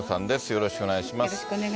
よろしくお願いします。